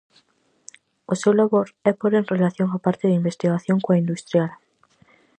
O seu labor é pór en relación a parte de investigación coa industrial.